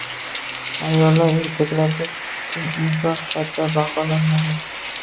Ayollar erkaklarga teng inson sifatida baholanmagan